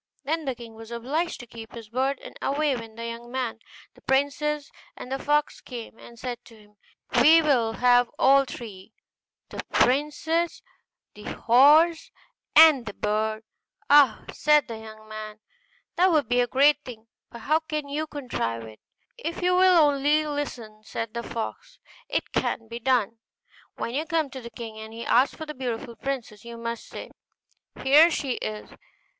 Then the king was obliged to keep his word, and away went the young man and the princess; and the fox came and said to him, 'We will have all three, the princess, the horse, and the bird.' 'Ah!' said the young man, 'that would be a great thing, but how can you contrive it?' 'If you will only listen,' said the fox, 'it can be done. When you come to the king, and he asks for the beautiful princess, you must say, "Here she is!"